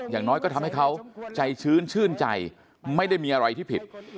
อย่างน้อยก็ทำให้เขาใจชื้นชื่นใจไม่ได้มีอะไรที่ผิด